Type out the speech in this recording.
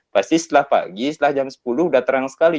pasti setelah pagi setelah jam sepuluh udah terang sekali